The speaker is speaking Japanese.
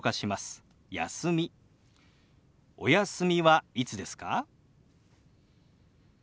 「お休みはいつですか？」。